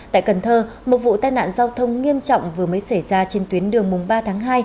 tại cần thơ một vụ tai nạn giao thông nghiêm trọng vừa mới xảy ra trên tuyến đường mùng ba tháng hai